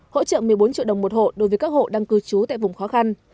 hỗ trợ một mươi bốn triệu đồng một hộ đối với các hộ đang cư trú tại vùng khó khăn